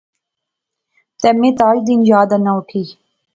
تہ میں تاج دین یاد اینا اٹھی